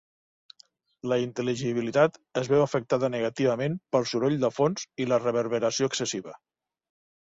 La intel·ligibilitat es veu afectada negativament pel soroll de fons i la reverberació excessiva.